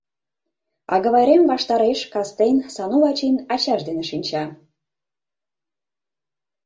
Агавайрем ваштареш, кастен, Сану Вачин ачаж дене шинча.